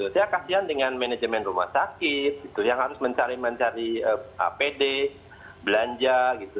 saya kasihan dengan manajemen rumah sakit yang harus mencari mencari apd belanja gitu